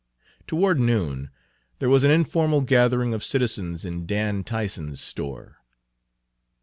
Toward noon there was an informal gathering of citizens in Dan Tyson's store.